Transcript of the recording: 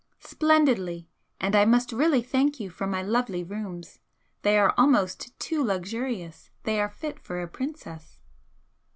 "Splendidly! And I must really thank you for my lovely rooms, they are almost too luxurious! They are fit for a princess."